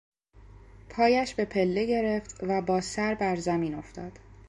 پایش به پله گرفت و با سر بر زمین افتاد.